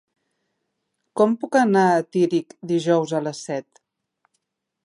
Com puc anar a Tírig dijous a les set?